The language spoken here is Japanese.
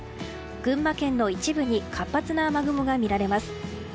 群馬県の一部に活発な雨雲が見られます。